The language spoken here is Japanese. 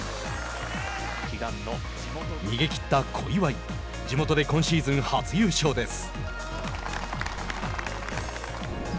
逃げきった小祝地元で今シーズン初優勝です。